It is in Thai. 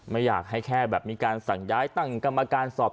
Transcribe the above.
ไม่อยากให้แค่แบบมีการสั่งย้ายตั้งกรรมการสอบ